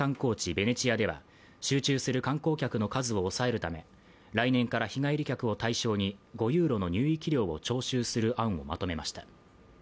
ベネチアでは集中する観光客の数を抑えるため、来年から日帰り客を対象に５ユーロの入域料を徴収する案をまとめました。